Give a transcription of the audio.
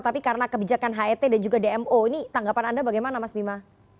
tapi karena kebijakan het dan juga dmo ini tanggapan anda bagaimana mas bima